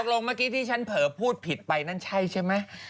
ลงเมื่อกี้ที่ฉันเผลอพูดผิดไปนั่นใช่ใช่ไหม